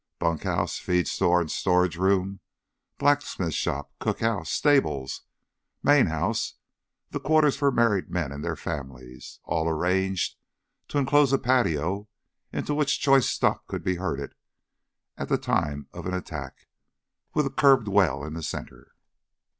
Bunkhouse, feed store, and storage room, blacksmith shop, cookhouse, stables, main house, the quarters for the married men and their families—all arranged to enclose a patio into which choice stock could be herded at the time of an attack, with a curbed well in the center.